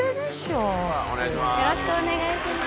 よろしくお願いします。